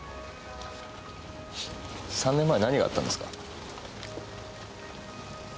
３年前何があったんですか？